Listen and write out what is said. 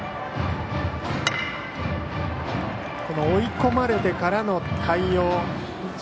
追い込まれてからの対応。